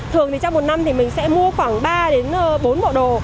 thường thì trong một năm thì mình sẽ mua khoảng ba đến bốn bộ đồ